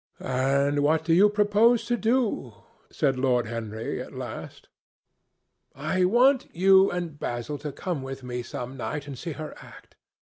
"And what do you propose to do?" said Lord Henry at last. "I want you and Basil to come with me some night and see her act.